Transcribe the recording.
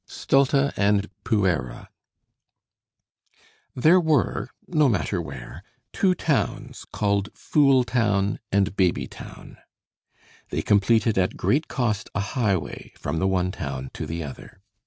STULTA AND PUERA There were, no matter where, two towns called Fooltown and Babytown. They completed at great cost a highway from the one town to the other.